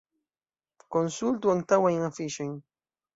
Konsultu antaŭajn afiŝojn.